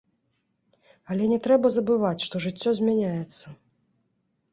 Але не трэба забываць, што жыццё змяняецца.